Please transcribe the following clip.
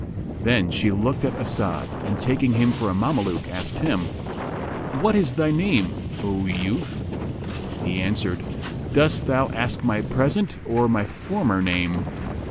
Then she looked at As'ad and, taking him for a Mameluke, asked him, "What is thy name, O youth?" He answered, "Dost thou ask my present or my former name?"